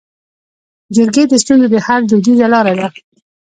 جرګې د ستونزو د حل دودیزه لاره ده